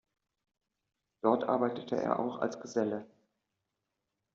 Dort arbeitete er auch als Geselle.